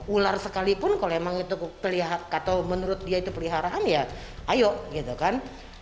ular sekalipun kalau emang itu menurut dia itu peliharaan ya ayo gitu kan